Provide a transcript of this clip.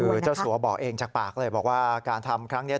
คือเจ้าสัวบอกเองจากปากเลยบอกว่าการทำครั้งนี้